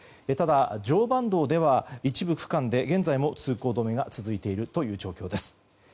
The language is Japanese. ただ、常磐道では一部区間で現在も通行止めが続いている状況です。